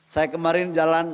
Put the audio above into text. saya kemarin jalan